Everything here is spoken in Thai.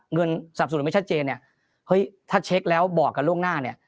สับสนุนไม่ชัดเจนเนี่ยเฮ้ยถ้าเช็คแล้วบอกกันล่วงหน้าเนี่ย